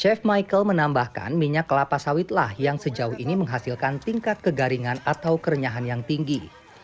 chef michael menambahkan minyak kelapa sawitlah yang sejauh ini menghasilkan tingkat kegaringan atau kerenyahan yang tinggi